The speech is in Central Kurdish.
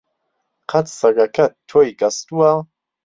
قەت سەگەکەت تۆی گەستووە؟